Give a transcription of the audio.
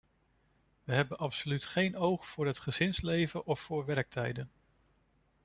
We hebben absoluut geen oog voor het gezinsleven of voor werktijden.